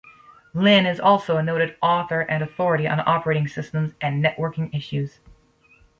Lynne is also a noted author and authority on operating systems and networking issues.